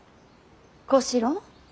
小四郎。